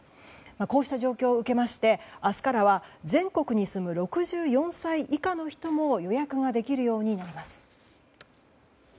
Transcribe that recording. こうした状況を受けまして明日からは全国に住む６４歳以下の人も予約ができるようになります。